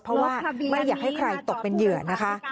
เพราะว่าไม่อยากให้ใครตกเป็นเหยื่อนะคะ